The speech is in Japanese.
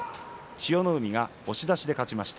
千代の海が押し出しで勝ちました。